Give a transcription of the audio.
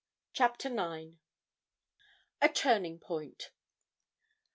CHAPTER IX. A TURNING POINT.